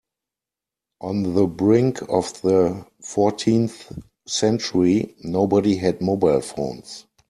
On the brink of the fourteenth century, nobody had mobile phones.